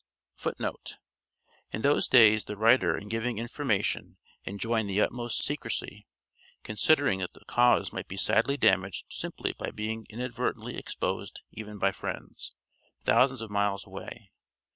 "[A] [Footnote A: In those days the writer in giving information enjoined the utmost secresy, considering that the cause might be sadly damaged simply by being inadvertently exposed even by friends, thousands of miles away.